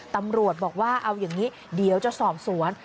ตำรวจบอกว่าเอาอย่างนี้เดี๋ยวจะสอบสวน